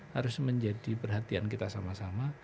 harus menjadi perhatian kita sama sama